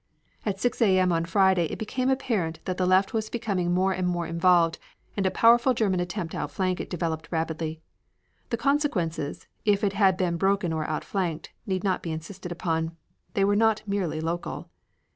At 6 A. M. on Friday it became apparent that the left was becoming more and more involved, and a powerful German attempt to outflank it developed rapidly. The consequences, if it had been broken or outflanked, need not be insisted upon. They were not merely local.